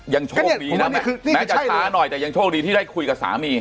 ยังโชคดีนะแม้จะช้าหน่อยแต่ยังโชคดีที่ได้คุยกับสามี